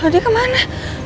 loh dia ke mana